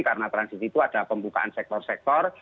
karena transisi itu ada pembukaan sektor sektor